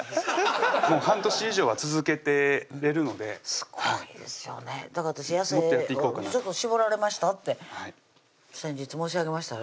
もう半年以上は続けてれるのですごいですよねだから私痩せ「ちょっと絞られました？」って先日申し上げましたよ